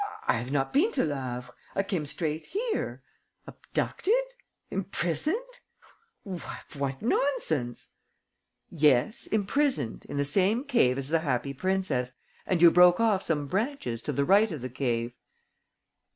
I have not been to Le Havre. I came straight here. Abducted? Imprisoned? What nonsense!" "Yes, imprisoned, in the same cave as the Happy Princess; and you broke off some branches to the right of the cave."